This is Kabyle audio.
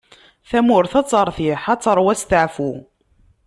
Tamurt ad teṛtiḥ, ad teṛwu asteɛfu.